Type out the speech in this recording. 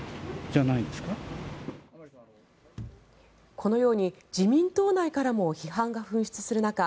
このように自民党内からも批判が噴出する中